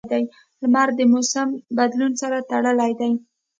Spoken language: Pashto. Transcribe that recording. • لمر د موسم بدلون سره تړلی دی.